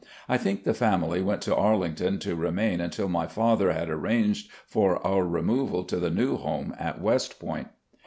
I think the family went to Arlington to remain tmtil my father had arranged for our removal to the new home at West Point.